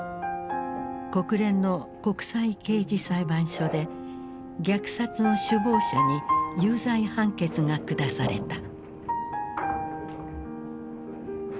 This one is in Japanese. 国連の国際刑事裁判所で虐殺の首謀者に有罪判決が下された。